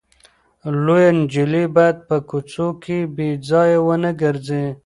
لويه نجلۍ باید په کوڅو کې بې ځایه ونه ګرځي.